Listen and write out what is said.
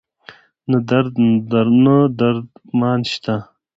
نه درد مان شته